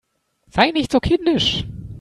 Sei nicht so kindisch